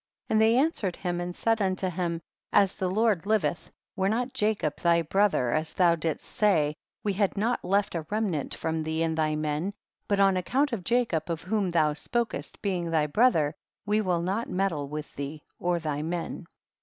37. And they answered him, and said unto him, as the Lord liveth, were not Jacob thy brother as thou didst say, we had not left a remnant from thee and thy men, but on ac count of Jacob of whom thou spokest being thy brother, we will not med dle with thee or thy men.